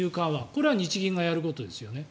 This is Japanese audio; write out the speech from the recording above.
これは日銀がやることですよね。